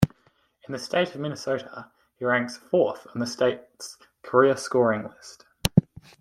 In the state of Minnesota, he ranks fourth on the state's career scoring list.